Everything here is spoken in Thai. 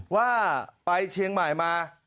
ว่าไปเชียงใหม่มา